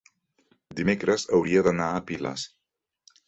Dimecres hauria d'anar a Piles.